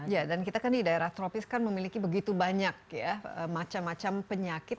ya dan kita kan di daerah tropis kan memiliki begitu banyak ya macam macam penyakit